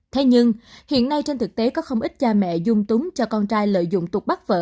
thế nhưng hiện nay trên thực tế có không ít cha mẹ dung túng cho con trai lợi dụng tục bắt vợ